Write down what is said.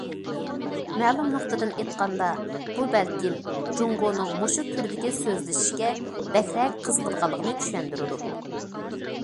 مەلۇم نۇقتىدىن ئېيتقاندا بۇ بەلكىم جۇڭگونىڭ مۇشۇ تۈردىكى سۆزلىشىشكە بەكرەك قىزىقىدىغانلىقىنى چۈشەندۈرىدۇ.